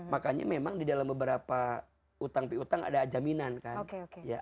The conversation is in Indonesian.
makanya memang di dalam beberapa utang piutang ada jaminan kan